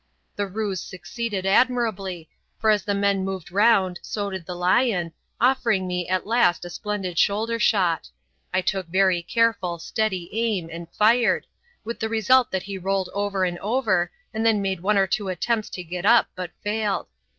The ruse succeeded admirably, for as the men moved round so did the lion, offering me at last a splendid shoulder shot. I took very careful, steady aim and fired, with the result that he rolled over and over, and then made one or two attempts to get up but failed.